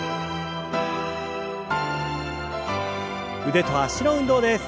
腕と脚の運動です。